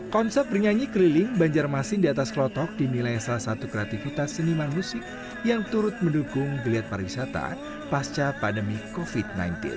konsep bernyanyi keliling banjarmasin di atas klotok dinilai salah satu kreativitas seniman musik yang turut mendukung geliat pariwisata pasca pandemi covid sembilan belas